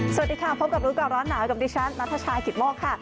สวัสดีค่ะพบกับรู้ก่อนร้อนหนาวกับดิฉันนัทชายกิตโมกค่ะ